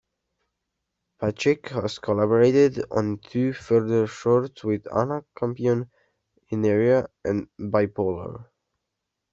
Patrick has collaborated on two further shorts with Anna Campion, "Inertia" and "Bipolar".